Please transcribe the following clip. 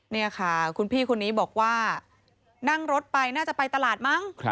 นี่ค่ะคุณพี่คนนี้บอกว่านั่งรถไปน่าจะไปตลาดมั้ง